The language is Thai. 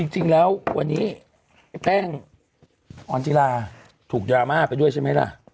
จริงแล้ววันนี้แป้งออนจิลาถูกดราม่าไปด้วยใช่ไหมล่ะ